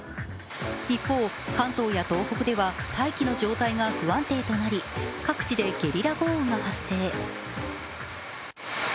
一方、関東や東北では大気の状態が不安定となり各地でゲリラ豪雨が発生。